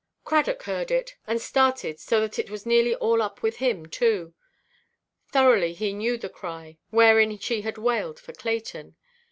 Cradock heard it, and started so that it was nearly all up with him too. Thoroughly he knew the cry, wherein she had wailed for Clayton.